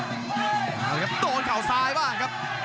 โอ้โหครับโดนขาวซ้ายบ้างครับ